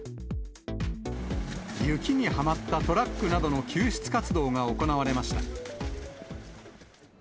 雪にはまったトラックなどの救出活動が行われました。